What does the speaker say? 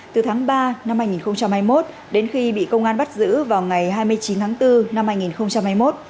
từ tháng ba năm hai nghìn hai mươi một đến khi bị công an bắt giữ vào ngày hai mươi chín tháng bốn năm hai nghìn hai mươi một